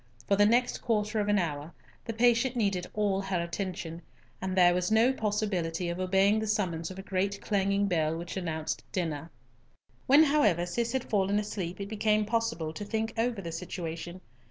For the next quarter of an hour, the patient needed all her attention, and there was no possibility of obeying the summons of a great clanging bell which announced dinner. When, however, Cis had fallen asleep it became possible to think over the situation.